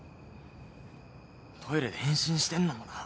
トイレで変身してんのもな。